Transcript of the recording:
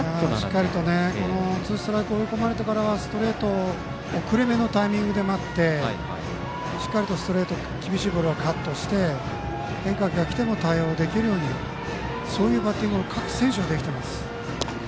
しっかりとツーストライク追い込まれてからはストレートを遅れめのタイミングで待ってしっかりとストレート厳しいボールはカットして変化球がきても対応できるようにそういうバッティングを各選手ができてます。